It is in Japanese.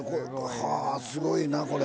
はぁー、すごいな、これ。